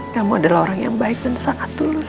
kamu adalah orang yang baik dan sangat tulus